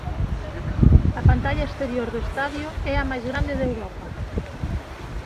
A pantalla exterior do estadio é a máis grande de Europa.